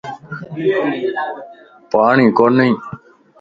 پاڻين ڪوني.